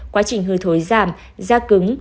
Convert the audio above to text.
quá trình hư thối giảm da cứng